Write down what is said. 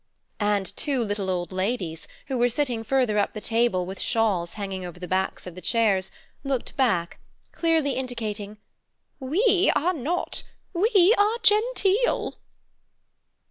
And two little old ladies, who were sitting further up the table, with shawls hanging over the backs of the chairs, looked back, clearly indicating "We are not; we are genteel."